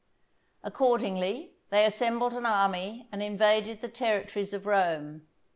Accordingly, they assembled an army and invaded the territories of Rome.